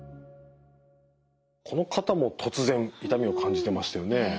この方も突然痛みを感じてましたよね。